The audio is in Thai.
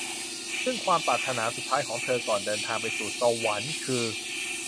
ซึ่งความปรารถนาสุดท้ายของเธอก่อนเดินทางไปสู่สวรรค์คือ